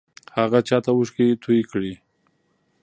هغه چا ته اوښکې توې کړې؟